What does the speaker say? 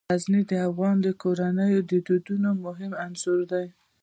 غزني د افغان کورنیو د دودونو مهم عنصر دی.